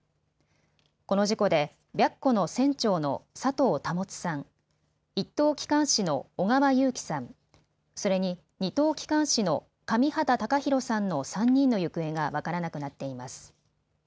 この事故で白虎の船長の佐藤保さん、１等機関士の小川有樹さん、それに２等機関士の上畠隆寛さんの３人の行方が分からなくなっています。